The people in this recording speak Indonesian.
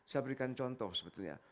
saya berikan contoh sebetulnya